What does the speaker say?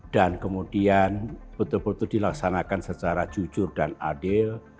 dan kemudian betul betul dilaksanakan secara jujur dan adil